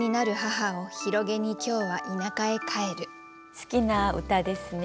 好きな歌ですね。